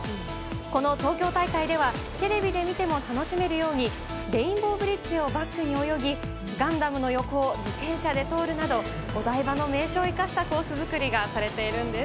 この東京大会ではテレビで見ても楽しめるようにレインボーブリッジをバックに泳ぎガンダムの横を自転車で通るなどお台場の名所を生かしたコース作りがされているんです。